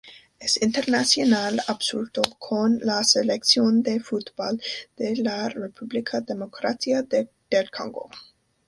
Es internacional absoluto con la Selección de fútbol de la República Democrática del Congo.